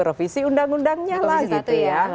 revisi undang undangnya lah gitu ya